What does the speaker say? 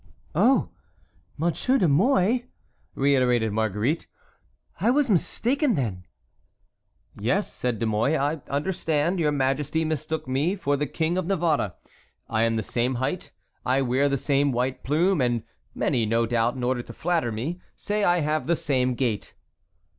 "Oh! Monsieur de Mouy!" reiterated Marguerite, "I was mistaken, then!" "Yes," said De Mouy, "I understand. Your majesty mistook me for the King of Navarre. I am the same height, I wear the same white plume, and many, no doubt in order to flatter me, say I have the same gait."